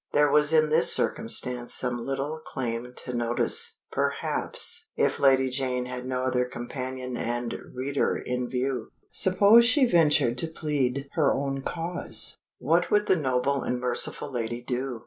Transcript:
There was in this circumstance some little claim to notice, perhaps, if Lady Janet had no other companion and reader in view. Suppose she ventured to plead her own cause what would the noble and merciful lady do?